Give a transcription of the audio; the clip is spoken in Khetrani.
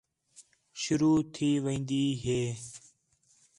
شروع تھی وین٘دی ہے